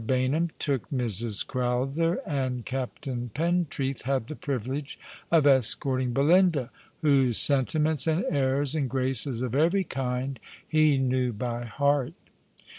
Baynham took Mrs. Crowther, and Captain Pentreath had the privilege of escorting Belinda, whose sentiments and airs and graces of every kind he knew by heart.